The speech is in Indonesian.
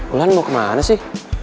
ulan mau kemana sih